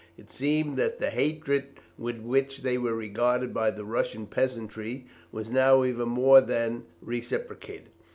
It seemed that the hatred with which they were regarded by the Russian peasantry was now even more than reciprocated.